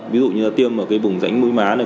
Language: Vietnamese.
ví dụ như là tiêm ở cái vùng rãnh mũi má này